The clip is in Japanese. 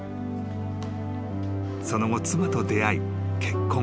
［その後妻と出会い結婚。